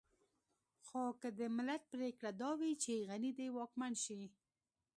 خو که د ملت پرېکړه دا وي چې غني دې واکمن شي.